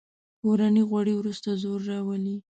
متل دی: کورني غوړي ورسته زور راولي.